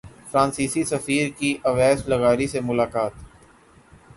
فرانسیسی سفیر کی اویس لغاری سے ملاقات